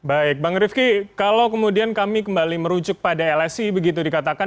baik bang rifki kalau kemudian kami kembali merujuk pada lsi begitu dikatakan